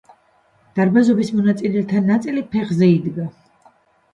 დარბაზობის მონაწილეთა ნაწილი ფეხზე იდგა.